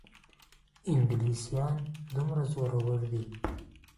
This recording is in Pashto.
انګلیسیان دومره زورور دي.